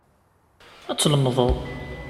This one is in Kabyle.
Ad tlemdeḍ.